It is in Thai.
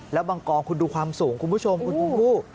แล้วบางกองคุณดูความสูงคุณผู้ชมคุณชมพู่